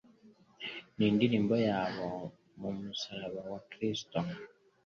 n'indirimbo yabo mu musaraba wa Kristo.